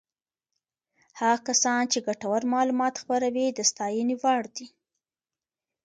هغه کسان چې ګټور معلومات خپروي د ستاینې وړ دي.